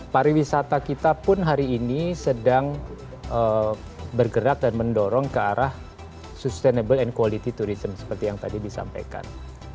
pariwisata kita pun hari ini sedang bergerak dan mendorong ke arah sustainable and quality tourism seperti yang tadi disampaikan